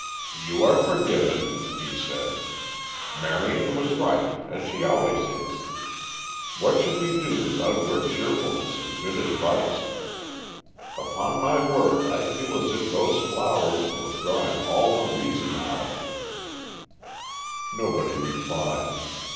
"You are forgiven," he said. "Marion was right, as she always is. What should we do without your cheerfulness and good advice? Upon my word I feel as if those flowers were drawing all the reason out of me." Nobody replied.